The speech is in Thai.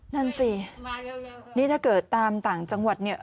นั่นสินี่ถ้าเกิดตามต่างจังหวัดเนี่ย